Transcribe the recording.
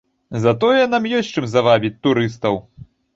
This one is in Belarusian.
Затое нам ёсць чым завабіць сюды турыстаў.